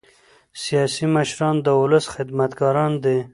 سیاسي مشران د ولس خدمتګاران دي